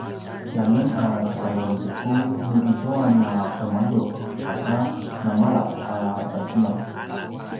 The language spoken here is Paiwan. tiamen a sepayuanzuku nu izua na’emaljup saka namalap ta sacemel